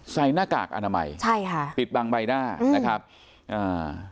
หน้ากากอนามัยใช่ค่ะปิดบังใบหน้านะครับอ่า